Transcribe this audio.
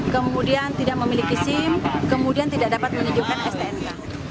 kemudian tidak memiliki sim kemudian tidak dapat menunjukkan stnk